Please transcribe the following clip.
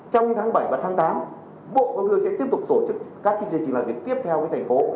trong tháng bảy và tháng tám bộ quốc hội sẽ tiếp tục tổ chức các kinh tế kinh tế tiếp theo với thành phố